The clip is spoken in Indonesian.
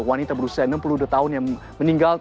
wanita berusia enam puluh dua tahun yang meninggal